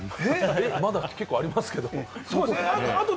まだあと結構ありますけど？